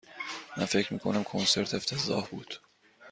من فکر می کنم کنسرت افتضاح بود.